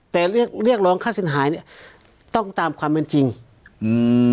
แต่เรียกเรียกร้องค่าสินหายเนี้ยต้องตามความเป็นจริงอืม